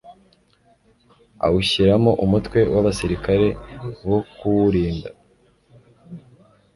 awushyiramo umutwe w'abasirikare bo kuwurinda